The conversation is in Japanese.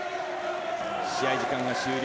試合時間が終了。